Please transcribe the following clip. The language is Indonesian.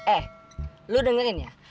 eh lo dengerin ya